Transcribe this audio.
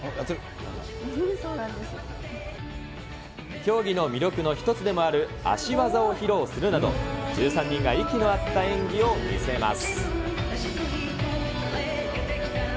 競技の魅力の一つでもある足技を披露するなど、１３人が息の合った演技を見せます。